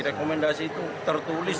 rekomendasi itu tertulis